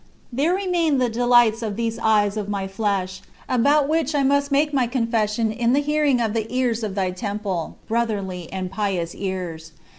There remain the delights of these eyes of my flesh, about which I must make my confession in the hearing of the ears of thy temple, brotherly and pious ears.